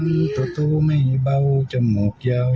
มีหูมีตาหางยาว